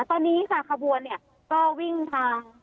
ตอนนี้ค่ะขบวนเนี่ยก็วิ่งทาง